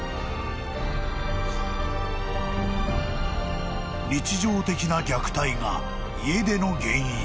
［日常的な虐待が家出の原因］